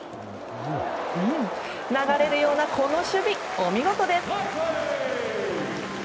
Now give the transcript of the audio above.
流れるようなこの守備お見事です。